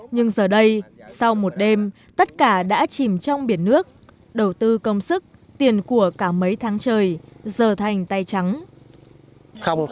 nhưng giờ đây sau một đêm tất cả đã chìm trong biển nước đầu tư công sức tiền của cả mấy tháng trời giờ thành tay trắng